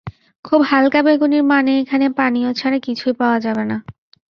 খুব হালকা বেগুনির মানে এখানে পানীয় ছাড়া কিছুই পাওয়া যাবে না।